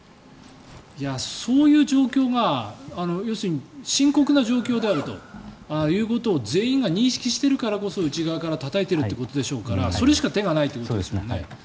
いや、そういう状況が要するに深刻な状況であるということを全員が認識しているからこそ内側からたたいているということでしょうからそれしか手がないということですもんね。